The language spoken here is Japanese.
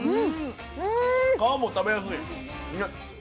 皮も食べやすいね。